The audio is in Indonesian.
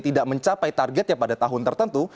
tidak mencapai targetnya pada tahun tertentu